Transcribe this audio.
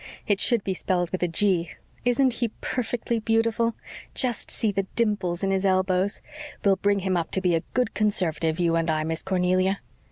It should be spelled with a G. Isn't he perfectly beautiful? Just see the dimples in his elbows. We'll bring him up to be a good Conservative, you and I, Miss Cornelia."